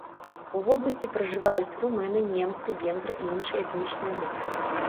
У вобласці пражываюць румыны, немцы, венгры і іншыя этнічныя групы.